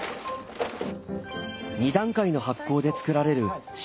２段階の発酵で造られる塩辛納豆。